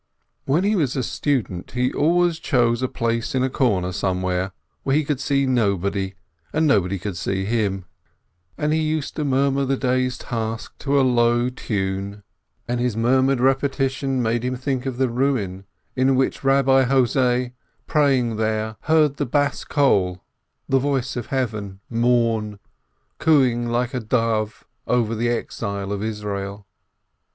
When he was a student he always chose out a place in a corner somewhere, where he could see nobody, and nobody could see him ; and he used to murmur the day's 428 RAISIN task to a low tune, and his murmured repetition made him think of the ruin in which Rabbi Jose, praying there, heard the Bas Kol mourn, cooing like a dove, over the exile of Israel.